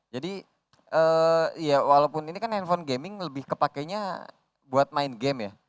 jadi ya walaupun ini kan handphone gaming lebih kepakenya buat main game ya